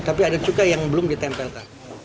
tapi ada juga yang belum ditempelkan